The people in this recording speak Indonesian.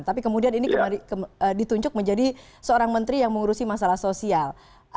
tapi kemudian ini ditunjuk menjadi seorang menteri yang mengurusi masalah sosial